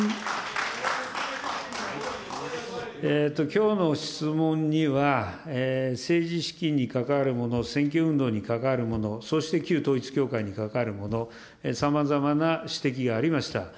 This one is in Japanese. きょうの質問には、政治資金に関わるもの、選挙運動に関わるもの、そして旧統一教会に関わるもの、さまざまな指摘がありました。